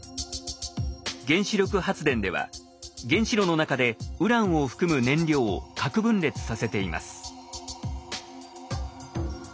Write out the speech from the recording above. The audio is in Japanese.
原子力発電では原子炉の中でウランを含む燃料を核分裂させています。